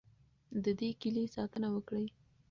د دې کیلي ساتنه وکړئ.